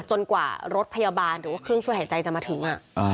จนกว่ารถพยาบาลหรือว่าเครื่องช่วยหายใจจะมาถึง